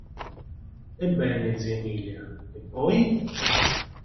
Ebbene, zia Emilia, e poi?